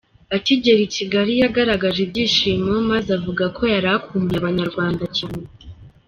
Akigera i Kigali yagaragaje ibyishimo maze avuga ko yari akumbuye Abanyarwanda cyane.